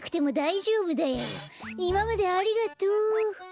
いままでありがとう。